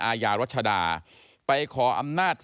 อาญารัชดาไปขออำนาจ